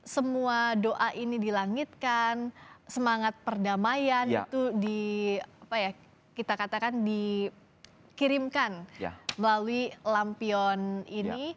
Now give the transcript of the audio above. semua doa ini dilangitkan semangat perdamaian itu kita katakan dikirimkan melalui lampion ini